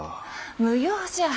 無用じゃ。